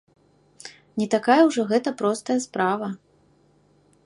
Не такая ўжо гэта простая справа.